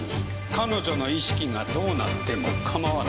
彼女の意識がどうなっても構わない。